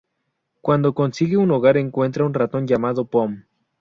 Cuando consigue un hogar encuentra un ratón llamado Pom.